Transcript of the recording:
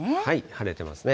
晴れてますね。